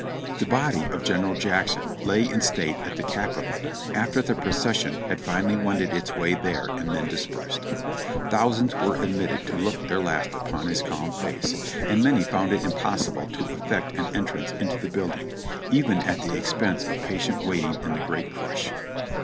The body of General Jackson lay in state at the Capitol after the procession had finally wended its way there and then dispersed. Thousands were admitted to look their last upon his calm face ; and many found it impossible to effect an entrance into the building, even at the expense of patient waiting in the great crush.